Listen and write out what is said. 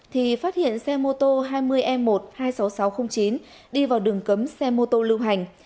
thì phát hiện xe mô tô hai mươi e một hai mươi sáu nghìn sáu trăm linh chín đi vào đường cấm xe mô tô lưu hành